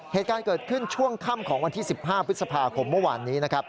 เหตุการณ์เกิดขึ้นช่วงค่ำของวันที่๑๕พฤษภาคมเมื่อวานนี้นะครับ